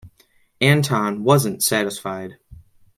Anton wasn't satisfied.